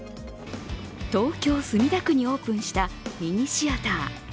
東京・墨田区にオープンしたミニシアター。